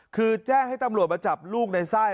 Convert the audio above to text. คือแจ้งให้ตำรวจมาจับลูกในไส้